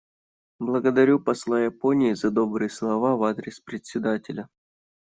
Благодарю посла Японии за добрые слова в адрес Председателя.